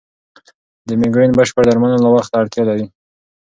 د مېګرین بشپړ درملنه لا وخت ته اړتیا لري.